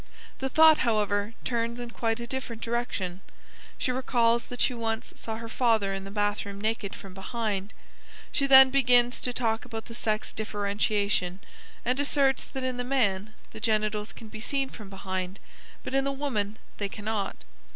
The thought, however, turns in quite a different direction. She recalls that she once saw her father in the bath room naked from behind; she then begins to talk about the sex differentiation, and asserts that in the man the genitals can be seen from behind, but in the woman they cannot.